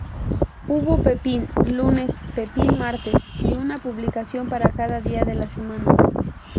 Hubo "Pepín" Lunes, "Pepín" Martes, y una publicación para cada día de la semana.